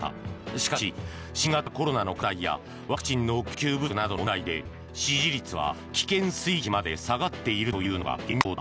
しかし、新型コロナの拡大やワクチンの供給不足などの問題で支持率は危険水域まで下がっているというのが現状だ。